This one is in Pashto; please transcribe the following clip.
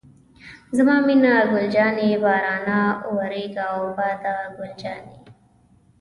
زما مینه ګل جانې، بارانه وورېږه او باده ګل جانې.